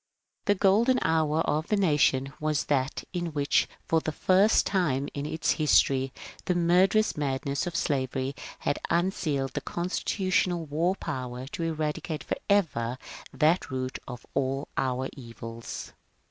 The Golden Hour of the nation was that in which for the A CALL ON THE PRESIDENT 345 first time in its history the murderous madness of slavery had unsealed the constitutional war power to eradicate forever that root of all our evils.